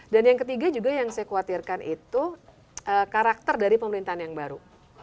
dan yang ketiga juga yang saya khawatirkan itu karakter dari pemerintahan yang baru